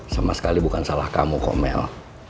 sama sekali bukan salah kamu kok mel